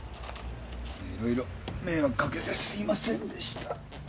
いろいろ迷惑かけてすいませんでした。